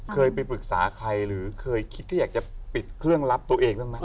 เคยไปปรึกษาใครหรือเคยคิดที่อยากจะปิดเครื่องรับตัวเองบ้างไหม